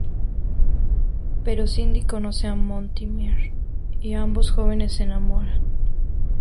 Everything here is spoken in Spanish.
Pero Cindy conoce a Mortimer y ambos jóvenes se enamoran.